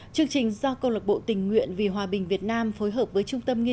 chương trình do công lộc bộ tình nguyện vì hòa bình việt nam phối hợp với trung tâm nghệ